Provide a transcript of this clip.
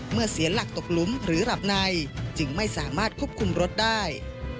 เสียหลักตกหลุมหรือหลับในจึงไม่สามารถควบคุมรถได้